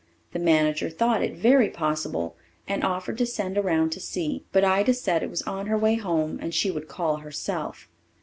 The manager thought it very possible, and offered to send around and see. But Ida said it was on her way home and she would call herself.